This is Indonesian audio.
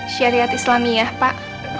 syariat islamiyah pak